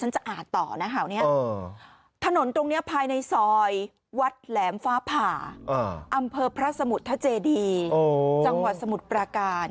จังหวัดสมุทรปราการ